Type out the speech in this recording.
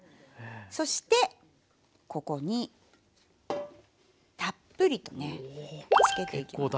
そしてここにたっぷりとねつけていきます。